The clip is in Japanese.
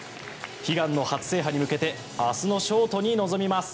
悲願の初制覇に向けて明日のショートに臨みます。